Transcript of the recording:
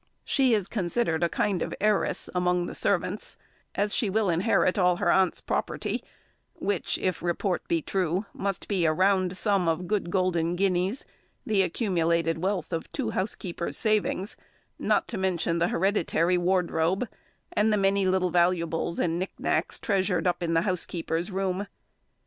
[Illustration: Phoebe Wilkins] She is considered a kind of heiress among the servants, as she will inherit all her aunt's property; which, if report be true, must be a round sum of good golden guineas, the accumulated wealth of two housekeepers' savings; not to mention the hereditary wardrobe, and the many little valuables and knick knacks treasured up in the housekeeper's room.